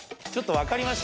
分かりました？